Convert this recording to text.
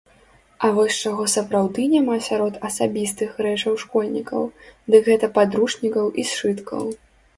А вось чаго сапраўды няма сярод асабістых рэчаў школьнікаў, дык гэта падручнікаў і сшыткаў.